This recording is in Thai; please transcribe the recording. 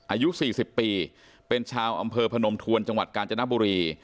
อายุ๔๐ปีเป็นชาวอำเภอพนมทวนจังหวัดกาญจนบุรี